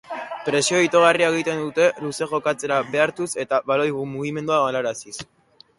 Presio itogarria egiten dute luze jokatzera behartuz eta baloi mugimendua galaraziz.